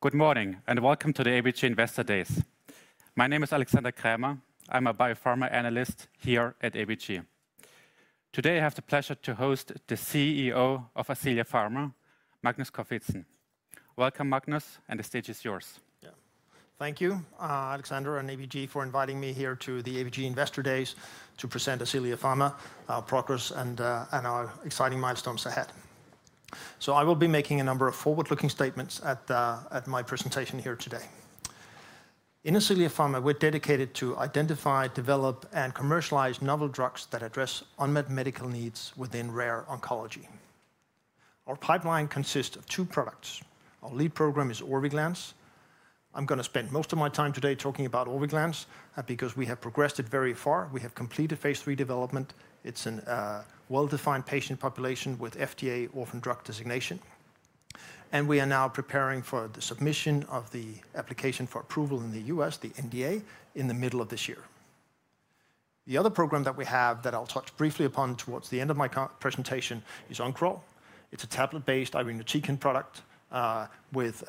Good morning and welcome to the ABG Investor Days. My name is Alexander Krämer. I'm a biopharma analyst here at ABG. Today I have the pleasure to host the CEO of Ascelia Pharma, Magnus Corfitzen. Welcome, Magnus, and the stage is yours. Thank you, Alexander and ABG, for inviting me here to the ABG Investor Days to present Ascelia Pharma, our progress, and our exciting milestones ahead. I will be making a number of forward-looking statements at my presentation here today. In Ascelia Pharma, we're dedicated to identify, develop, and commercialize novel drugs that address unmet medical needs within rare oncology. Our pipeline consists of two products. Our lead program is Orviglance. I'm going to spend most of my time today talking about Orviglance because we have progressed it very far. We have completed phase III development. It's a well-defined patient population with FDA orphan drug designation. We are now preparing for the submission of the application for approval in the U.S., the NDA, in the middle of this year. The other program that we have that I'll touch briefly upon towards the end of my presentation is Oncoral. It's a tablet-based irinotecan product with,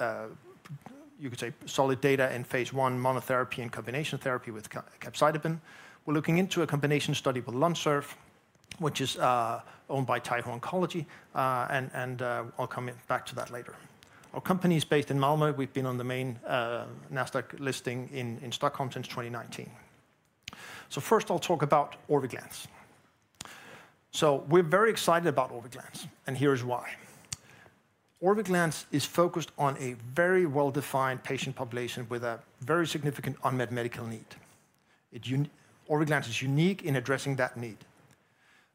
you could say, solid data in phase I monotherapy and combination therapy with capecitabine. We're looking into a combination study with LONSURF, which is owned by Taiho Oncology, and I'll come back to that later. Our company is based in Malmö. We've been on the main Nasdaq listing in Stockholm since 2019. First, I'll talk about Orviglance. We're very excited about Orviglance, and here's why. Orviglance is focused on a very well-defined patient population with a very significant unmet medical need. Orviglance is unique in addressing that need.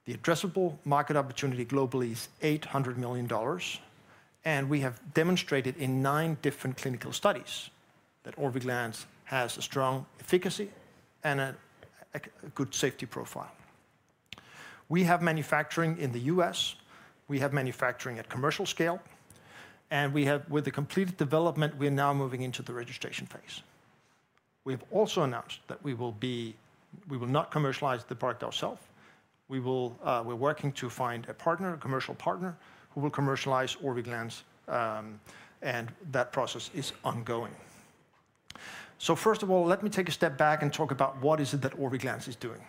The addressable market opportunity globally is $800 million, and we have demonstrated in nine different clinical studies that Orviglance has a strong efficacy and a good safety profile. We have manufacturing in the U.S. We have manufacturing at commercial scale, and with the completed development, we're now moving into the registration phase. We have also announced that we will not commercialize the product ourselves. We're working to find a partner, a commercial partner, who will commercialize Orviglance, and that process is ongoing. First of all, let me take a step back and talk about what is it that Orviglance is doing.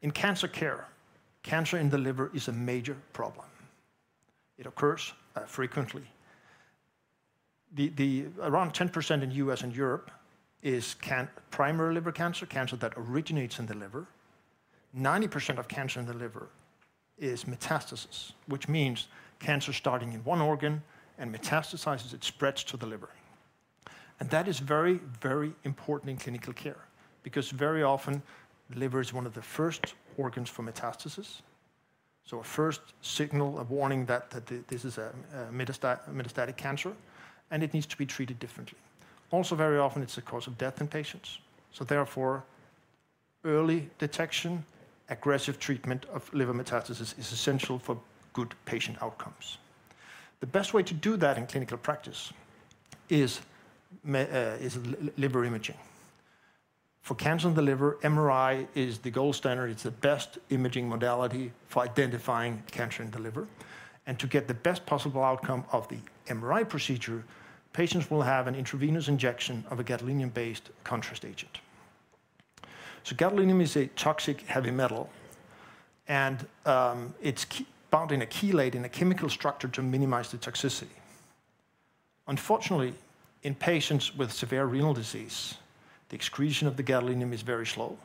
In cancer care, cancer in the liver is a major problem. It occurs frequently. Around 10% in the U.S. and Europe is primary liver cancer, cancer that originates in the liver. 90% of cancer in the liver is metastasis, which means cancer starting in one organ and metastasizes, it spreads to the liver. That is very, very important in clinical care because very often the liver is one of the first organs for metastasis. A first signal, a warning that this is a metastatic cancer, and it needs to be treated differently. Also, very often it's a cause of death in patients. Therefore, early detection, aggressive treatment of liver metastasis is essential for good patient outcomes. The best way to do that in clinical practice is liver imaging. For cancer in the liver, MRI is the gold standard. It's the best imaging modality for identifying cancer in the liver. To get the best possible outcome of the MRI procedure, patients will have an intravenous injection of a gadolinium-based contrast agent. Gadolinium is a toxic heavy metal, and it's bound in a chelate, in a chemical structure to minimize the toxicity. Unfortunately, in patients with severe renal disease, the excretion of the gadolinium is very slow.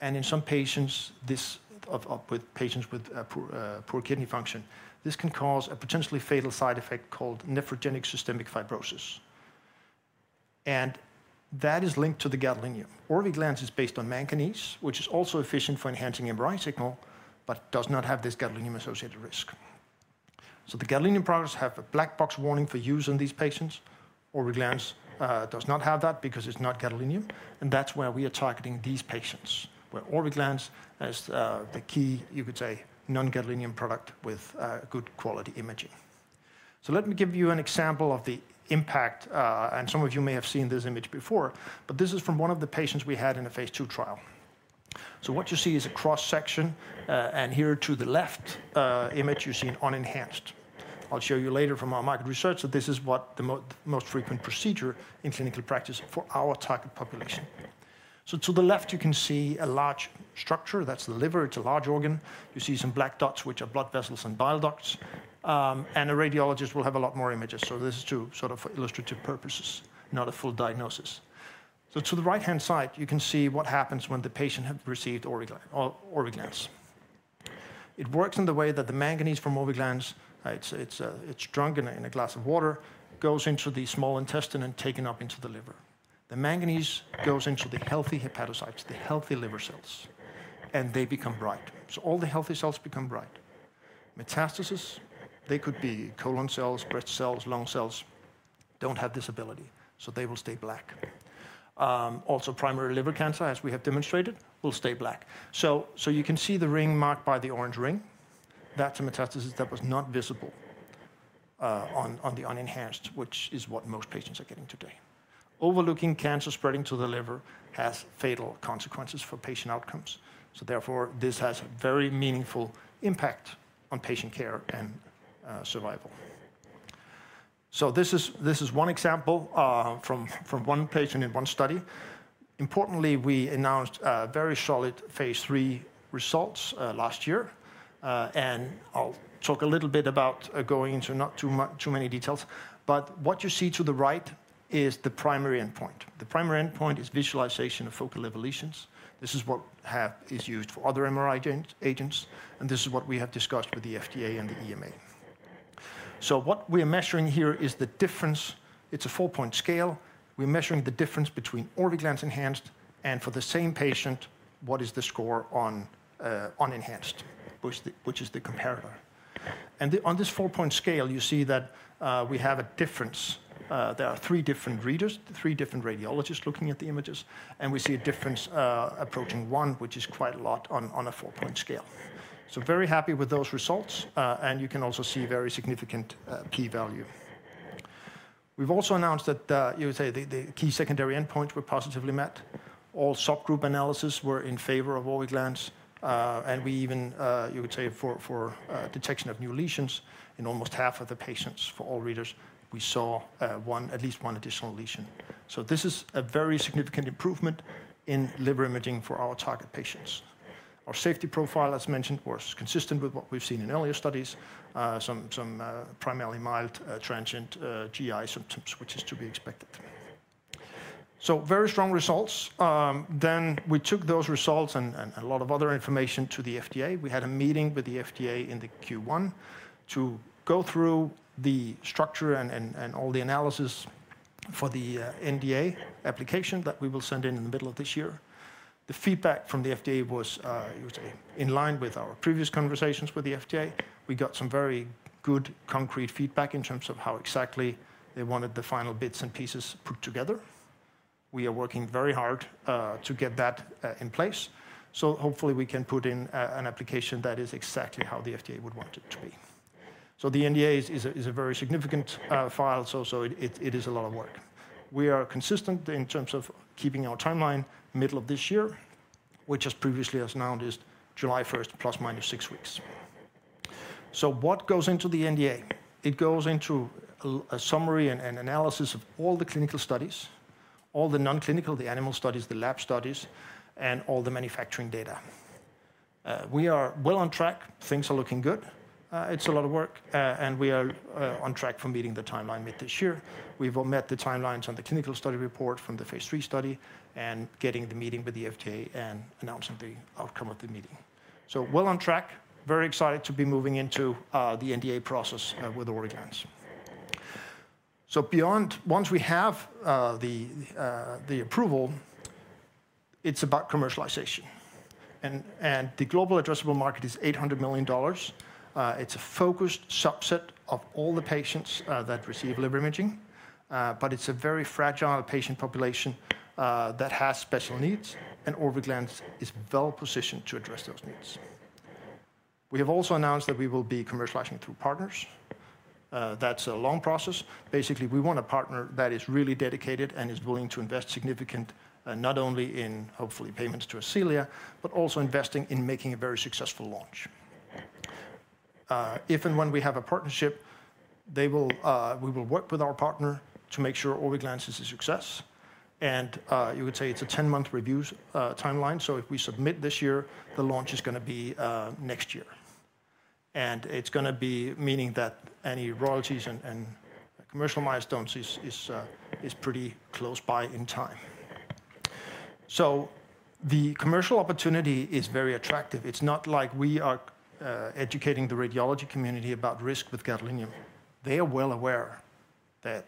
In some patients, with poor kidney function, this can cause a potentially fatal side effect called nephrogenic systemic fibrosis. That is linked to the gadolinium. Orviglance is based on manganese, which is also efficient for enhancing MRI signal, but does not have this gadolinium-associated risk. The gadolinium products have a black box warning for use in these patients. Orviglance does not have that because it's not gadolinium. That is where we are targeting these patients, where Orviglance is the key, you could say, non-gadolinium product with good quality imaging. Let me give you an example of the impact, and some of you may have seen this image before, but this is from one of the patients we had in a phase II trial. What you see is a cross-section, and here to the left image, you see an unenhanced. I'll show you later from our market research that this is what the most frequent procedure in clinical practice for our target population. To the left, you can see a large structure. That's the liver. It's a large organ. You see some black dots, which are blood vessels and bile ducts. A radiologist will have a lot more images. This is to sort of illustrative purposes, not a full diagnosis. To the right-hand side, you can see what happens when the patient has received Orviglance. It works in the way that the manganese from Orviglance, it's drunk in a glass of water, goes into the small intestine and taken up into the liver. The manganese goes into the healthy hepatocytes, the healthy liver cells, and they become bright. All the healthy cells become bright. Metastasis, they could be colon cells, breast cells, lung cells, do not have this ability, so they will stay black. Also, primary liver cancer, as we have demonstrated, will stay black. You can see the ring marked by the orange ring. That's a metastasis that was not visible on the unenhanced, which is what most patients are getting today. Overlooking cancer spreading to the liver has fatal consequences for patient outcomes. Therefore, this has a very meaningful impact on patient care and survival. This is one example from one patient in one study. Importantly, we announced very solid phase III results last year. I'll talk a little bit about going into not too many details. What you see to the right is the primary endpoint. The primary endpoint is visualization of focal evolutions. This is what is used for other MRI agents, and this is what we have discussed with the FDA and the EMA. What we are measuring here is the difference. It's a four-point scale. We're measuring the difference between Orviglance enhanced and for the same patient, what is the score on unenhanced, which is the comparator. On this four-point scale, you see that we have a difference. There are three different readers, three different radiologists looking at the images, and we see a difference approaching one, which is quite a lot on a four-point scale. Very happy with those results, and you can also see very significant p-value. We've also announced that the key secondary endpoints were positively met. All subgroup analyses were in favor of Orviglance, and we even, you could say, for detection of new lesions in almost half of the patients for all readers, we saw at least one additional lesion. This is a very significant improvement in liver imaging for our target patients. Our safety profile, as mentioned, was consistent with what we've seen in earlier studies, some primarily mild transient GI symptoms, which is to be expected. Very strong results. We took those results and a lot of other information to the FDA. We had a meeting with the FDA in the Q1 to go through the structure and all the analysis for the NDA application that we will send in the middle of this year. The feedback from the FDA was in line with our previous conversations with the FDA. We got some very good concrete feedback in terms of how exactly they wanted the final bits and pieces put together. We are working very hard to get that in place. Hopefully we can put in an application that is exactly how the FDA would want it to be. The NDA is a very significant file, so it is a lot of work. We are consistent in terms of keeping our timeline middle of this year, which as previously announced is July 1st, plus minus six weeks. What goes into the NDA? It goes into a summary and analysis of all the clinical studies, all the non-clinical, the animal studies, the lab studies, and all the manufacturing data. We are well on track. Things are looking good. It's a lot of work, and we are on track for meeting the timeline mid this year. We've met the timelines on the clinical study report from the phase III study and getting the meeting with the FDA and announcing the outcome of the meeting. We are well on track, very excited to be moving into the NDA process with Orviglance. Beyond, once we have the approval, it is about commercialization. The global addressable market is $800 million. It is a focused subset of all the patients that receive liver imaging, but it is a very fragile patient population that has special needs, and Orviglance is well positioned to address those needs. We have also announced that we will be commercializing through partners. That is a long process. Basically, we want a partner that is really dedicated and is willing to invest significantly not only in hopefully payments to Ascelia, but also investing in making a very successful launch. If and when we have a partnership, we will work with our partner to make sure Orviglance is a success. You could say it is a 10-month review timeline. If we submit this year, the launch is going to be next year. It is going to be meaning that any royalties and commercial milestones is pretty close by in time. The commercial opportunity is very attractive. It is not like we are educating the radiology community about risk with gadolinium. They are well aware that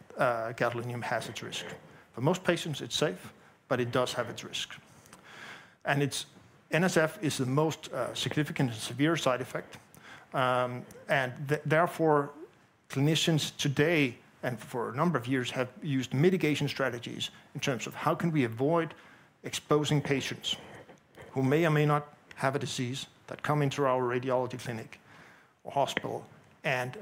gadolinium has its risk. For most patients, it is safe, but it does have its risk. NSF is the most significant and severe side effect. Therefore, clinicians today and for a number of years have used mitigation strategies in terms of how can we avoid exposing patients who may or may not have a disease that come into our radiology clinic or hospital, and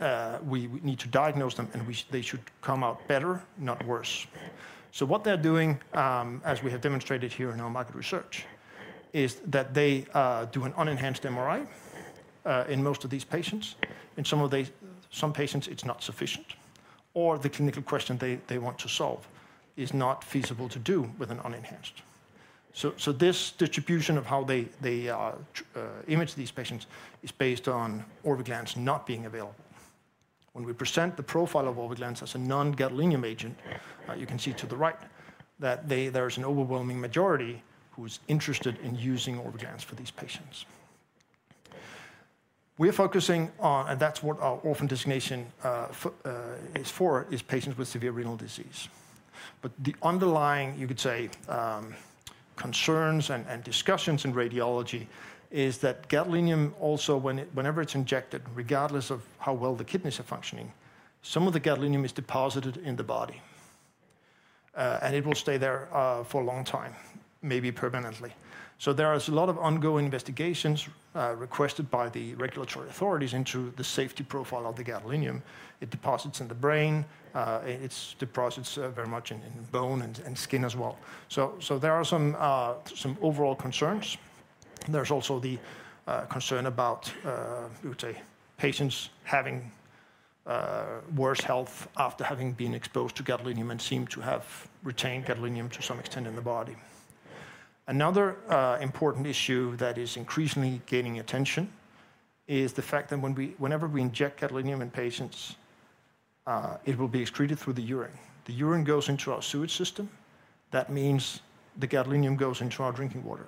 we need to diagnose them and they should come out better, not worse. What they are doing, as we have demonstrated here in our market research, is that they do an unenhanced MRI in most of these patients. In some patients, it's not sufficient, or the clinical question they want to solve is not feasible to do with an unenhanced. This distribution of how they image these patients is based on Orviglance not being available. When we present the profile of Orviglance as a non-gadolinium agent, you can see to the right that there is an overwhelming majority who is interested in using Orviglance for these patients. We're focusing on, and that's what our orphan designation is for, patients with severe renal disease. The underlying, you could say, concerns and discussions in radiology is that gadolinium also, whenever it's injected, regardless of how well the kidneys are functioning, some of the gadolinium is deposited in the body. It will stay there for a long time, maybe permanently. There are a lot of ongoing investigations requested by the regulatory authorities into the safety profile of the gadolinium. It deposits in the brain. It deposits very much in bone and skin as well. There are some overall concerns. There's also the concern about patients having worse health after having been exposed to gadolinium and seem to have retained gadolinium to some extent in the body. Another important issue that is increasingly gaining attention is the fact that whenever we inject gadolinium in patients, it will be excreted through the urine. The urine goes into our sewage system. That means the gadolinium goes into our drinking water.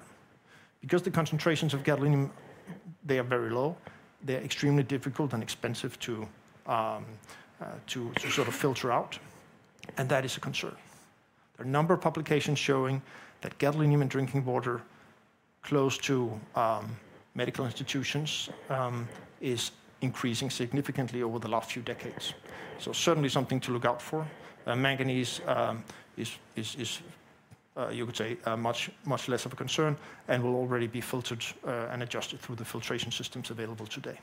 Because the concentrations of gadolinium, they are very low, they are extremely difficult and expensive to sort of filter out. That is a concern. There are a number of publications showing that gadolinium in drinking water close to medical institutions is increasing significantly over the last few decades. Certainly something to look out for. Manganese is, you could say, much less of a concern and will already be filtered and adjusted through the filtration systems available today.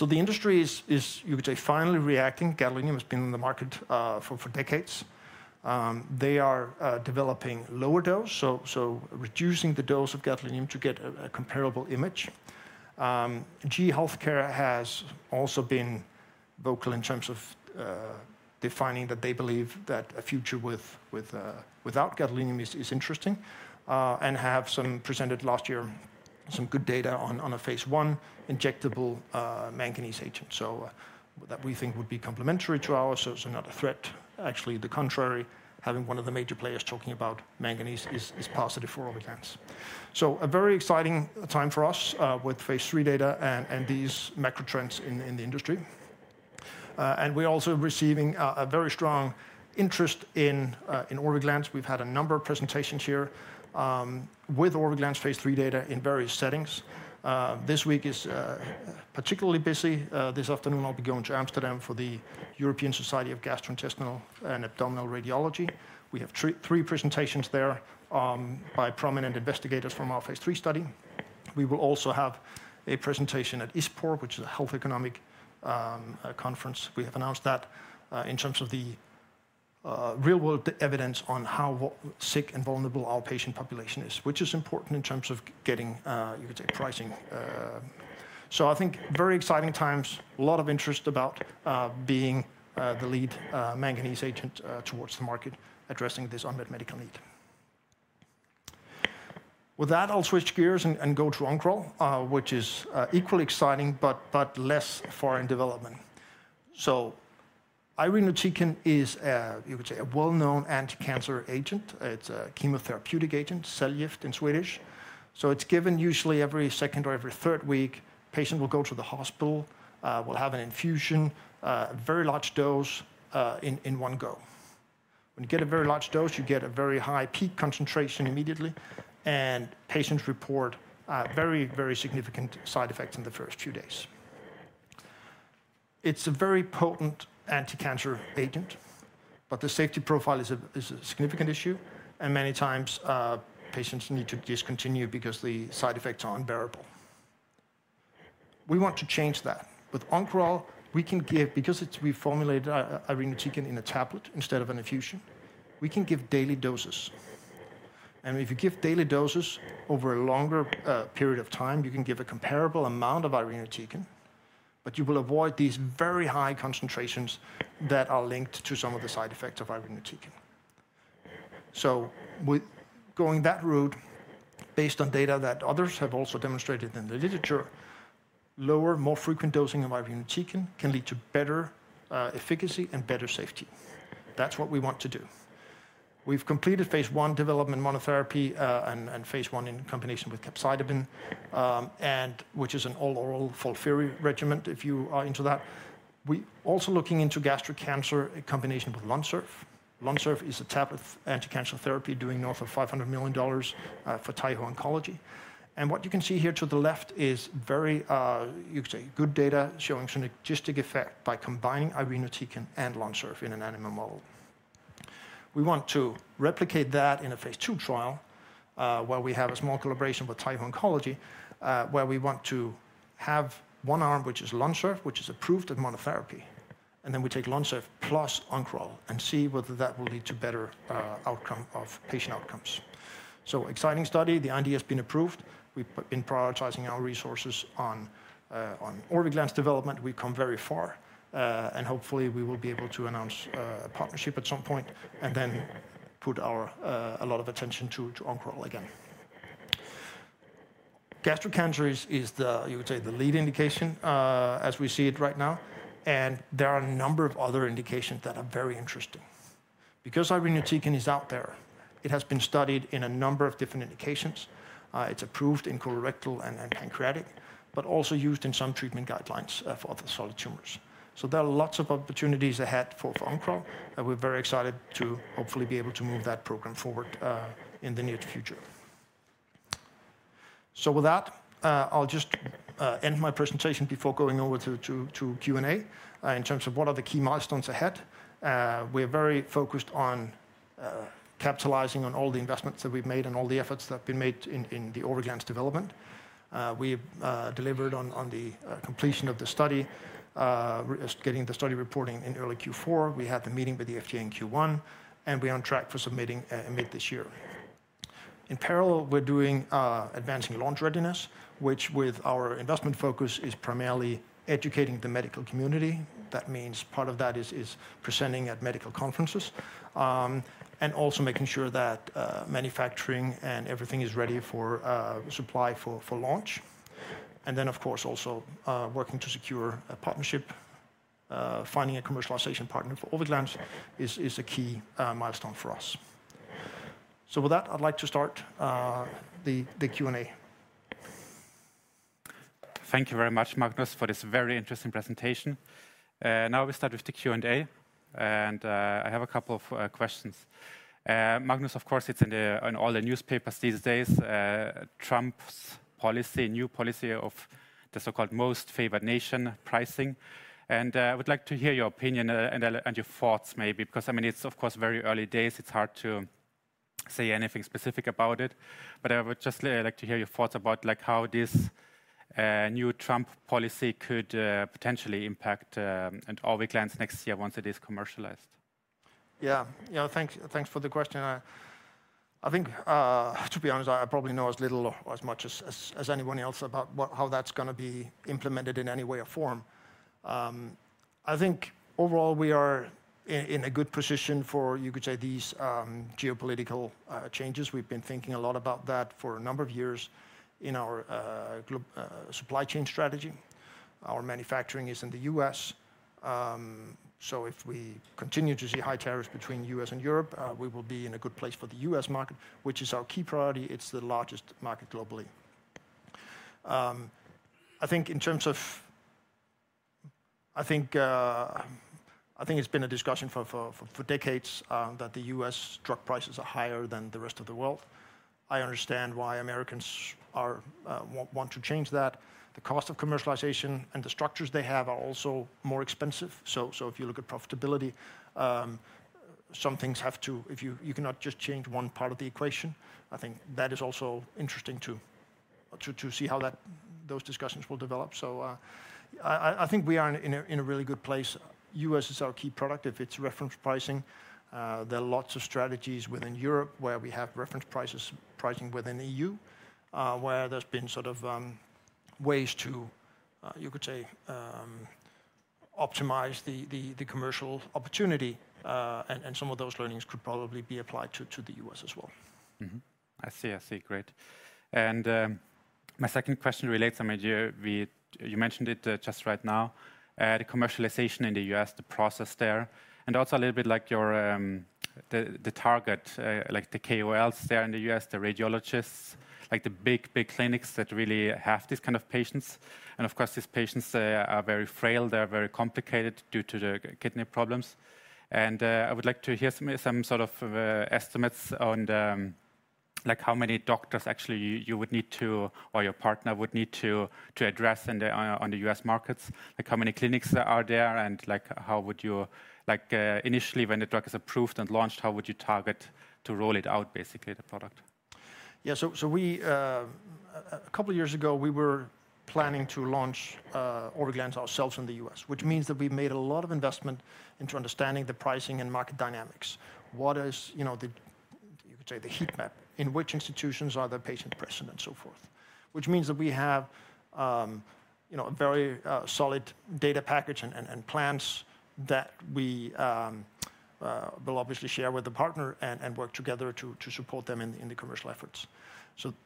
The industry is, you could say, finally reacting. Gadolinium has been in the market for decades. They are developing lower dose, so reducing the dose of gadolinium to get a comparable image. GE Healthcare has also been vocal in terms of defining that they believe that a future without gadolinium is interesting and have presented last year some good data on a phase I injectable manganese agent. That we think would be complementary to ours, so not a threat. Actually, the contrary, having one of the major players talking about manganese is positive for Orviglance. A very exciting time for us with phase III data and these macro trends in the industry. We're also receiving a very strong interest in Orviglance. We've had a number of presentations here with Orviglance phase III data in various settings. This week is particularly busy. This afternoon, I'll be going to Amsterdam for the European Society of Gastrointestinal and Abdominal Radiology. We have three presentations there by prominent investigators from our phase III study. We will also have a presentation at ISPOR, which is a health economic conference. We have announced that in terms of the real-world evidence on how sick and vulnerable our patient population is, which is important in terms of getting, you could say, pricing. I think very exciting times, a lot of interest about being the lead manganese agent towards the market addressing this unmet medical need. With that, I'll switch gears and go to Oncoral, which is equally exciting, but less far in development. Irinotecan is, you could say, a well-known anti-cancer agent. It's a chemotherapeutic agent, Cellgift in Swedish. It's given usually every second or every third week. Patient will go to the hospital, will have an infusion, a very large dose in one go. When you get a very large dose, you get a very high peak concentration immediately, and patients report very, very significant side effects in the first few days. It's a very potent anti-cancer agent, but the safety profile is a significant issue, and many times patients need to discontinue because the side effects are unbearable. We want to change that. With Oncoral, we can give, because we formulated irinotecan in a tablet instead of an infusion, we can give daily doses. If you give daily doses over a longer period of time, you can give a comparable amount of irinotecan, but you will avoid these very high concentrations that are linked to some of the side effects of irinotecan. Going that route, based on data that others have also demonstrated in the literature, lower, more frequent dosing of irinotecan can lead to better efficacy and better safety. That is what we want to do. We have completed phase I development monotherapy and phase I in combination with capecitabine, which is an all-oral FOLFIRI regimen if you are into that. We are also looking into gastric cancer in combination with LONSURF. LONSURF is a tablet anti-cancer therapy doing north of $500 million for Taiho Oncology. What you can see here to the left is very, you could say, good data showing synergistic effect by combining irinotecan and LONSURF in an animal model. We want to replicate that in a phase II trial where we have a small collaboration with Taiho Oncology, where we want to have one arm, which is LONSURF, which is approved as monotherapy. Then we take LONSURF plus Oncoral and see whether that will lead to better outcome of patient outcomes. Exciting study. The idea has been approved. We have been prioritizing our resources on Orviglance development. We have come very far, and hopefully we will be able to announce a partnership at some point and then put a lot of attention to Oncoral again. Gastric cancer is, you could say, the lead indication as we see it right now. There are a number of other indications that are very interesting. Because irinotecan is out there, it has been studied in a number of different indications. It is approved in colorectal and pancreatic, but also used in some treatment guidelines for other solid tumors. There are lots of opportunities ahead for Oncoral, and we are very excited to hopefully be able to move that program forward in the near future. I will just end my presentation before going over to Q&A in terms of what are the key milestones ahead. We are very focused on capitalizing on all the investments that we have made and all the efforts that have been made in the Orviglance development. We delivered on the completion of the study, getting the study reporting in early Q4. We had the meeting with the FDA in Q1, and we are on track for submitting amid this year. In parallel, we're doing advancing launch readiness, which with our investment focus is primarily educating the medical community. That means part of that is presenting at medical conferences and also making sure that manufacturing and everything is ready for supply for launch. Of course, also working to secure a partnership, finding a commercialization partner for Orviglance is a key milestone for us. With that, I'd like to start the Q&A. Thank you very much, Magnus, for this very interesting presentation. Now we start with the Q&A, and I have a couple of questions. Magnus, of course, it's in all the newspapers these days, Trump's policy, new policy of the so-called most favored nation pricing. I would like to hear your opinion and your thoughts maybe, because I mean, it's of course very early days. It's hard to say anything specific about it, but I would just like to hear your thoughts about how this new Trump policy could potentially impact Orviglance next year once it is commercialized. Yeah, yeah, thanks for the question. I think, to be honest, I probably know as little or as much as anyone else about how that's going to be implemented in any way or form. I think overall we are in a good position for, you could say, these geopolitical changes. We've been thinking a lot about that for a number of years in our supply chain strategy. Our manufacturing is in the U.S.. If we continue to see high tariffs between the U.S. and Europe, we will be in a good place for the U.S. market, which is our key priority. It's the largest market globally. I think in terms of, I think it's been a discussion for decades that the U.S. drug prices are higher than the rest of the world. I understand why Americans want to change that. The cost of commercialization and the structures they have are also more expensive. If you look at profitability, some things have to, you cannot just change one part of the equation. I think that is also interesting to see how those discussions will develop. I think we are in a really good place. U.S. is our key product. If it's reference pricing, there are lots of strategies within Europe where we have reference pricing within the EU, where there's been sort of ways to, you could say, optimize the commercial opportunity. Some of those learnings could probably be applied to the U.S. as well. I see, I see. Great. My second question relates to my idea. You mentioned it just right now, the commercialization in the U.S., the process there, and also a little bit like the target, like the KOLs there in the U.S., the radiologists, like the big, big clinics that really have these kind of patients. Of course, these patients are very frail. They're very complicated due to the kidney problems. I would like to hear some sort of estimates on how many doctors actually you would need to, or your partner would need to address on the U.S. markets, like how many clinics are there and how would you, initially when the drug is approved and launched, how would you target to roll it out, basically the product? Yeah, so a couple of years ago, we were planning to launch Orviglance ourselves in the U.S., which means that we've made a lot of investment into understanding the pricing and market dynamics. What is the, you could say, the heat map? In which institutions are the patients present and so forth? Which means that we have a very solid data package and plans that we will obviously share with the partner and work together to support them in the commercial efforts.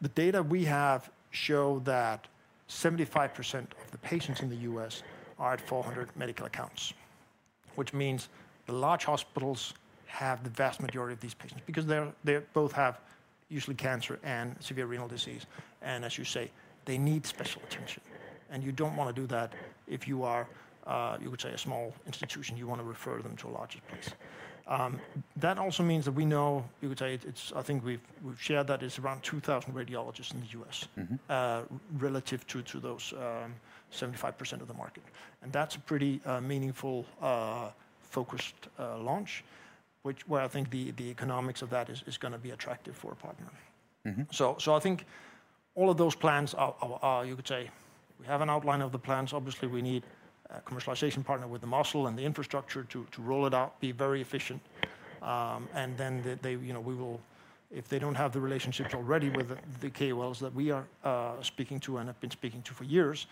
The data we have show that 75% of the patients in the U.S. are at 400 medical accounts, which means the large hospitals have the vast majority of these patients because they both have usually cancer and severe renal disease. As you say, they need special attention. You do not want to do that if you are, you could say, a small institution. You want to refer them to a larger place. That also means that we know, you could say, I think we've shared that it's around 2,000 radiologists in the U.S. relative to those 75% of the market. And that's a pretty meaningful focused launch, which where I think the economics of that is going to be attractive for a partner. I think all of those plans, you could say, we have an outline of the plans. Obviously, we need a commercialization partner with the muscle and the infrastructure to roll it out, be very efficient. If they do not have the relationships already with the KOLs that we are speaking to and have been speaking to for years,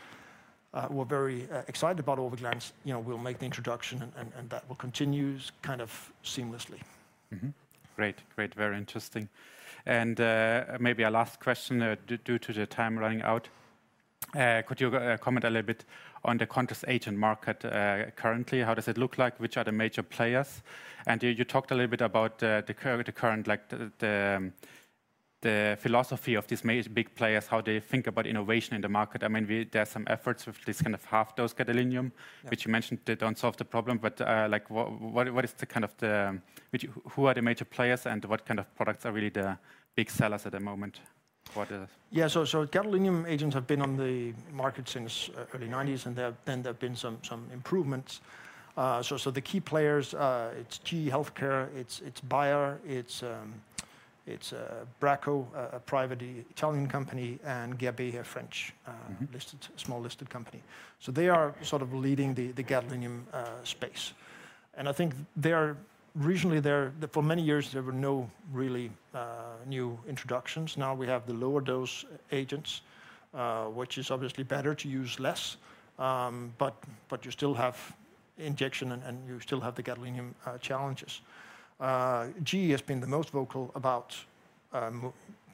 we're very excited about Orviglance. We'll make the introduction and that will continue kind of seamlessly. Great, great, very interesting. Maybe a last question due to the time running out. Could you comment a little bit on the contrast agent market currently? How does it look like? Which are the major players? You talked a little bit about the current philosophy of these big players, how they think about innovation in the market. I mean, there are some efforts with this kind of half-dose gadolinium, which you mentioned did not solve the problem, but who are the major players and what kind of products are really the big sellers at the moment? Yeah, so gadolinium agents have been on the market since the early 1990s and then there have been some improvements. The key players are GE Healthcare, Bayer, Bracco, a private Italian company, and Guerbet, a French, small listed company. They are sort of leading the gadolinium space. I think originally for many years, there were no really new introductions. Now we have the lower dose agents, which is obviously better to use less, but you still have injection and you still have the gadolinium challenges. GE has been the most vocal about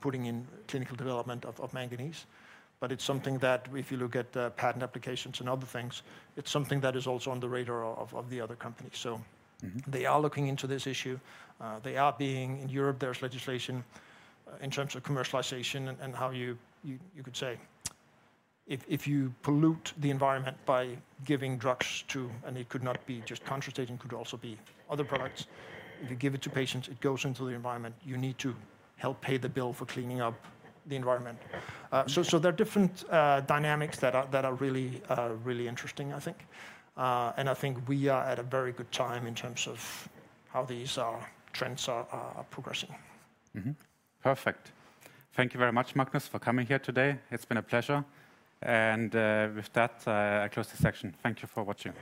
putting in clinical development of manganese, but it is something that if you look at patent applications and other things, it is something that is also on the radar of the other companies. They are looking into this issue. Being in Europe, there is legislation in terms of commercialization and how you could say if you pollute the environment by giving drugs to, and it could not be just contrast agent, could also be other products. If you give it to patients, it goes into the environment, you need to help pay the bill for cleaning up the environment. There are different dynamics that are really interesting, I think. I think we are at a very good time in terms of how these trends are progressing. Perfect. Thank you very much, Magnus, for coming here today. It's been a pleasure. With that, I close the session. Thank you for watching.